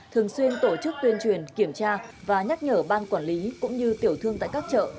thường xuyên tổ chức tuyên truyền kiểm tra và nhắc nhở ban quản lý cũng như tiểu thương tại các chợ